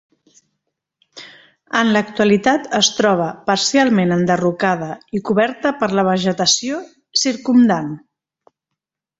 En l'actualitat es troba parcialment enderrocada i coberta per la vegetació circumdant.